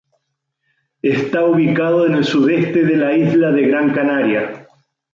Está ubicado en el sudeste de la isla de Gran Canaria.